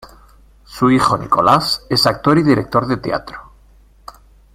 Su hijo Nicolás es actor y director de teatro.